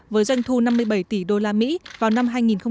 với doanh thu năm mươi bảy tỷ usd vào năm hai nghìn một mươi bảy